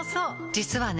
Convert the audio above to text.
実はね